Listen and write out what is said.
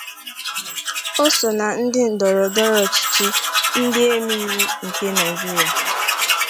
O so na ndi ndoro ndoro ochichi, ndi eme iwu nke Nigeria.